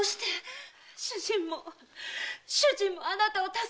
主人も主人もあなたを助けたいと！